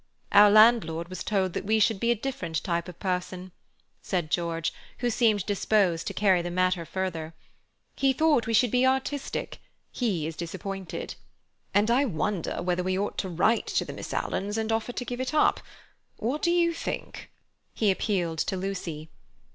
"Our landlord was told that we should be a different type of person," said George, who seemed disposed to carry the matter further. "He thought we should be artistic. He is disappointed." "And I wonder whether we ought to write to the Miss Alans and offer to give it up. What do you think?" He appealed to Lucy.